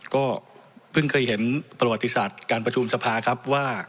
ก็เพิ่งเคยเห็นประวัติศาสตร์การประชุมสภาครับว่า